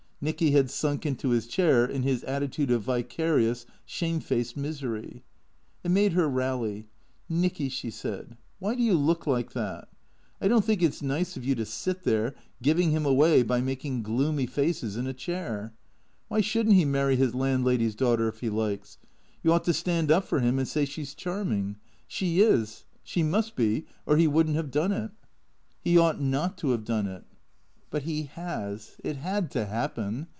Nicky had sunk into his chair in his attitude of vicarious, shamefaced misery. It made her rally. " Nicky," she said, " why do you look like that ? I don't think it 's nice of you to sit there, giving him away by making gloomy faces, in a chair. WTiy should n't he marry his landlady's daughter if he likes? You ought to stand up for him and say she's charming. She is. She must be ; or he would n't have done it." 94 THECREATOPtS " He ought not to have done it." " But he has. It had to happen.